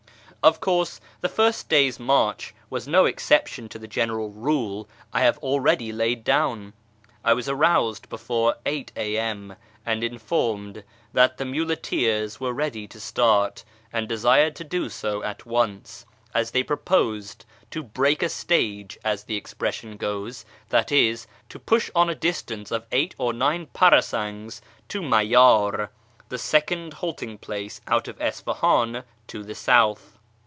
Of course the first day's march was no exception to the general rule I have already laid down. I was aroused before 8 A.M., and informed that the muleteers were ready to start, and desired to do so at once, as they proposed to " break a stage," as the expression goes — that is, to push on a distance of eight or nine parasangs to Mayar, the second halting place out of Isfahan to the south.